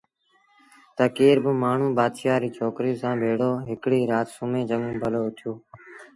تا ڪير با مآڻهوٚٚݩ بآتشآ ريٚ ڇوڪريٚ سآݩ ڀيڙو هڪڙيٚ رآت سُمهي چڱون ڀلو اُٿيٚو